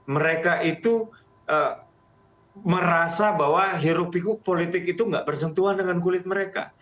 mereka itu merasa bahwa hirup pikuk politik itu gak bersentuhan dengan kulit mereka